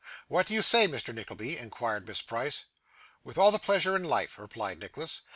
'What do you say, Mr. Nickleby?' inquired Miss Price. 'With all the pleasure in life,' replied Nicholas.